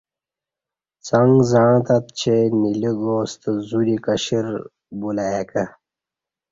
څنگ زعں تت چے نیلی گاستہ زو دی کشر بُلہ ای کہ